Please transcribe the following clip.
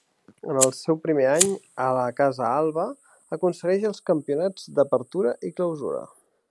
En el seu primer any a la casa alba, aconsegueix els campionats d'Apertura i Clausura.